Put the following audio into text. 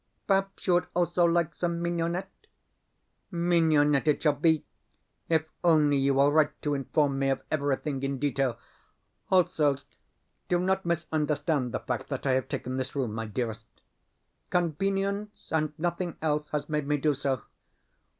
Perhaps you would also like some mignonette? Mignonette it shall be if only you will write to inform me of everything in detail. Also, do not misunderstand the fact that I have taken this room, my dearest. Convenience and nothing else, has made me do so.